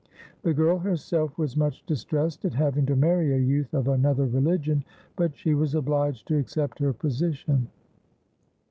The girl herself was much distressed at having to marry a youth of another religion, but she was obliged to accept her position.